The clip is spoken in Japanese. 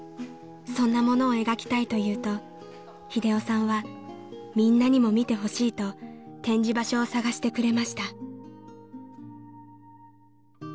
［そんなものを描きたいと言うと英雄さんはみんなにも見てほしいと展示場所を探してくれました］